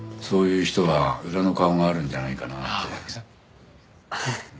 そういう人は裏の顔があるんじゃないかなって。